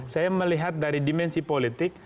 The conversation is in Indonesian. saya melihat dari dimensi politik